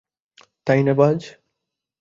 তাই না, বায?